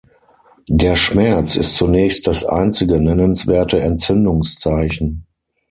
Der Schmerz ist zunächst das einzige nennenswerte Entzündungszeichen.